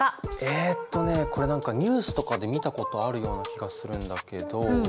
えっとねこれ何かニュースとかで見たことあるような気がするんだけど。